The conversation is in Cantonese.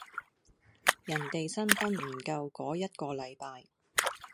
人哋新婚唔夠嗰一個禮拜